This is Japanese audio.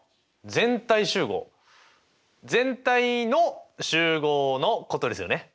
全体の集合のことですよね。